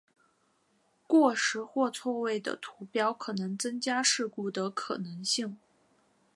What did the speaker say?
过时或错位的图表可能增加事故的可能性。